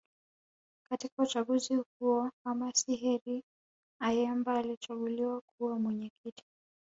Katika uchaguzi huo Khamis Heri Ayemba alichaguliwa kuwa Mwenyekiti